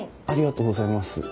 ありがとうございます。